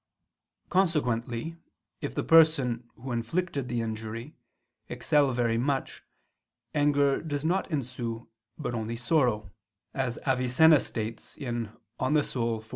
Consequently if the person, who inflicted the injury, excel very much, anger does not ensue, but only sorrow, as Avicenna states (De Anima iv, 6).